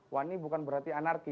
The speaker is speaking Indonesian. wani bukan berarti anarki